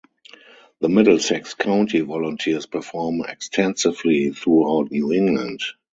The Middlesex County Volunteers perform extensively throughout New England.